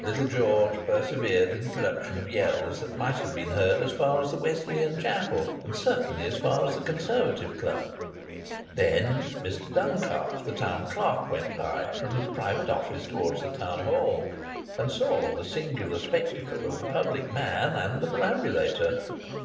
Little Georgie persevered in the production of yells that might have been heard as far as the Wesleyan Chapel, and certainly as far as the Conservative Club. Then Mr Duncalf, the Town Clerk, went by, from his private office, towards the Town Hall, and saw the singular spectacle of the public man and the perambulator.